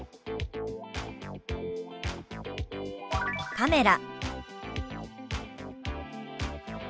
「カメラ」。